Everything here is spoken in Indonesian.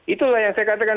itulah yang saya katakan